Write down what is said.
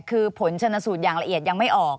คือผลชนสูตรอย่างละเอียดยังไม่ออก